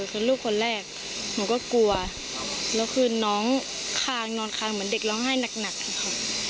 คือลูกคนแรกหนูก็กลัวแล้วคือน้องคางนอนคางเหมือนเด็กร้องไห้หนักค่ะ